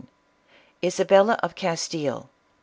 ISABELLA OF CASTILE.